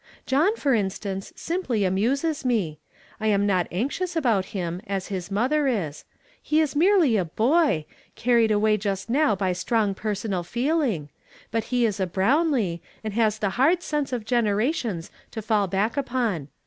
John, for instance, simply annises me. I am not anxious about him, as his mother is. He '^ merely a boi/, carried away just now by strong pereonal feeling; but he is a Brownlee, and has the hard sense of generations to fall back upon.